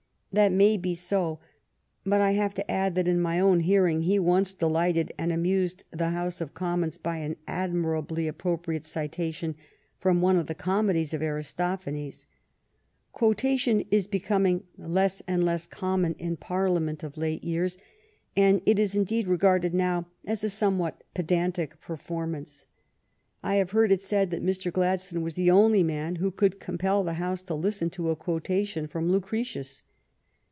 That may be so, but I have to add that in my own hearing he once delighted and amused the House of Commons by an admirably appropriate citation from one of the comedies of Aristophanes. Quotation is be coming less and less common in Parliament of 6o THE STORY OF GLADSTONE'S LIFE late years, and it is indeed regarded now as a somewhat pedantic performance. I have heard it said that Mr. Gladstone was the only man who could compel the House to listen to a quotation from Lucretius.